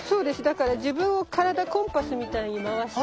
だから自分を体コンパスみたいに回して。